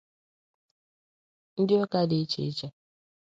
ndị ụka dị iche iche